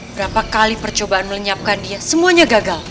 berapa kali percobaan melenyapkan dia semuanya gagal